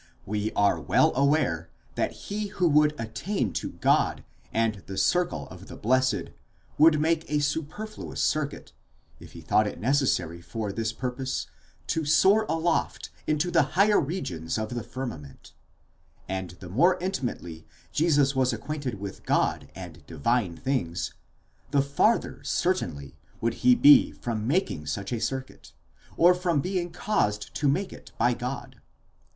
We are well aware that he who would attain to God and the circle of the blessed would make a superfluous circuit, if he thought it necessary for this purpose to soar aloft into the higher regions of the firmament ; and the more intimately Jesus was acquainted with God and divine things, the farther cer tainly would he be from making such a circuit, or from being caused to make it by God.